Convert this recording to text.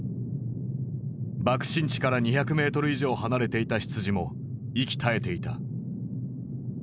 爆心地から２００メートル以上離れていた羊も息絶えていた。